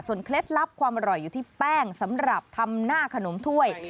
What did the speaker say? เคล็ดลับความอร่อยอยู่ที่แป้งสำหรับทำหน้าขนมถ้วย